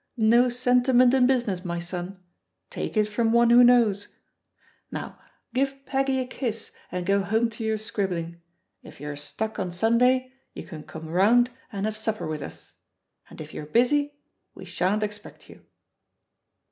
No sentiment in business, my son— take it from one who knows. Now give Peggy a kiss and go home to your scribbling. If you're stuck on Sunday, you can come round and have supper with us; and if you're busy, we shan't expect you."